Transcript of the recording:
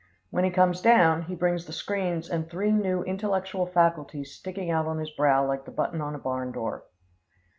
When he comes down, he brings the screens and three new intellectual faculties sticking out on his brow like the button on a barn door.